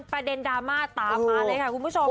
ประเด็นดราม่าตามมาเลยค่ะคุณผู้ชม